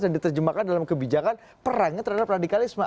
dan diterjemahkan dalam kebijakan perangnya terhadap radikalisme